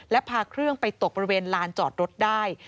และพาเครื่องไปตกบริเวณลานจอดรถได้